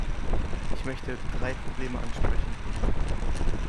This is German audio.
Ich möchte drei Probleme ansprechen.